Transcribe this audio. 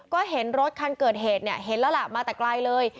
ก็เห็นรถคันเกิดเหตุเนี่ยเห็นแล้วล่ะมาแต่ไกลเลย